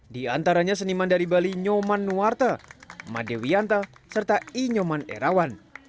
di antaranya seniman dari bali nyoman nuwarta made wianta serta inyoman erawan